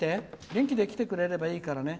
元気で来てくれればいいからね。